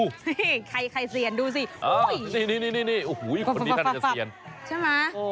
นี่ใครใครเสียนดูสิอุ้ยนี่นี่นี่นี่นี่โอ้โหคนนี้ท่านจะเสียนใช่ไหม